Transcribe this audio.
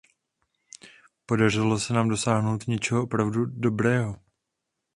Podařilo se nám dosáhnout něčeho opravdu dobrého.